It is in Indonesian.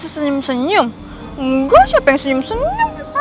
senyum senyum enggak siapa yang senyum senyum